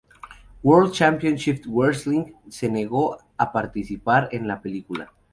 World Championship Wrestling se negó a participar en la película.